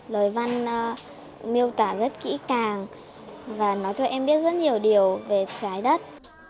lời văn miêu tả rất kỹ càng và nó cho em biết rất nhiều điều về trái đất